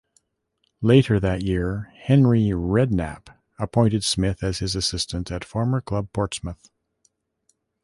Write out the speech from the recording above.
Later that year, Harry Redknapp appointed Smith as his assistant at former club Portsmouth.